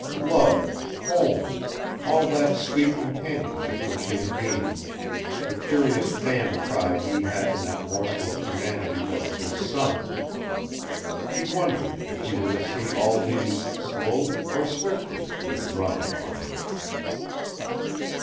Love, home, all that sweet companionship which he had gained, the curious man pride he had in that morsel of humanity that was his son, he wondered if he were to see all these slowly or swiftly withdrawn from him?